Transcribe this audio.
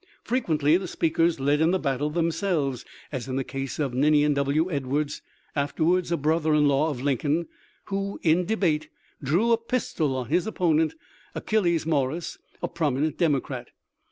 Fre quently the speakers led in the battle themselves, as in the case of Ninian W. Edwards — afterwards a brother in law of Lincoln — who, in debate, drew a pistol on his opponent Achilles Morris, a prominent Democrat.